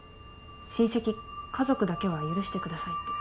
「親戚家族だけは許してください」って。